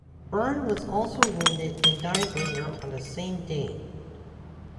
Byrne was also wounded and died later on the same day.